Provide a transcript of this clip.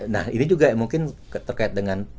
nah ini juga mungkin terkait dengan